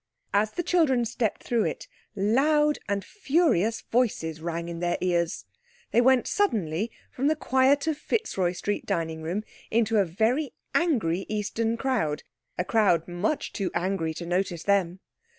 As the children stepped through it loud and furious voices rang in their ears. They went suddenly from the quiet of Fitzroy Street dining room into a very angry Eastern crowd, a crowd much too angry to notice them.